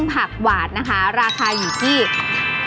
เพราะว่าผักหวานจะสามารถทำออกมาเป็นเมนูอะไรได้บ้าง